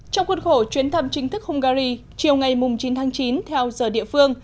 trong khuôn khổ chuyến thăm chính thức hungary chiều ngày chín tháng chín theo giờ địa phương